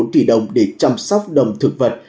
bốn tỷ đồng để chăm sóc đồng thực vật